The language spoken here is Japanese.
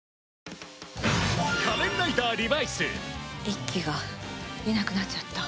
一輝がいなくなっちゃった。